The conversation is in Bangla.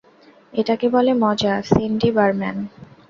এটাকে বলে মজা, সিন্ডি বারম্যান।